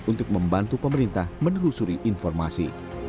untuk membantu pemerintah menelusuri informasi